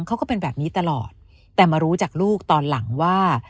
เขาก็เป็นแบบนี้ตลอดแต่มารู้จากลูกตอนหลังว่า